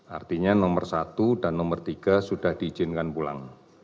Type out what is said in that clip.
artinya nomor satu dan nomor tiga sudah diizinkan pulang